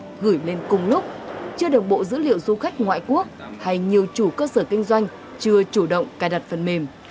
nhưng khi các cơ sở kinh doanh lên cùng lúc chưa được bộ dữ liệu du khách ngoại quốc hay nhiều chủ cơ sở kinh doanh chưa chủ động cài đặt phần mềm